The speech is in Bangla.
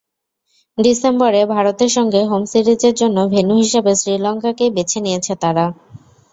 ডিসেম্বরে ভারতের সঙ্গে হোম সিরিজের জন্য ভেন্যু হিসেবে শ্রীলঙ্কাকেই বেছে নিয়েছে তারা।